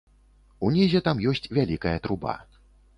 Унізе там ёсць вялікая труба.